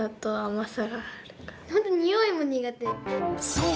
そう！